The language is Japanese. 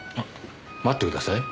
待ってください。